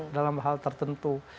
dalam hal tertentu